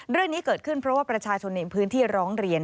เรื่องนี้เกิดขึ้นเพราะว่าประชาชนในพื้นที่ร้องเรียน